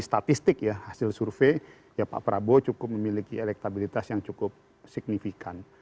statistik ya hasil survei ya pak prabowo cukup memiliki elektabilitas yang cukup signifikan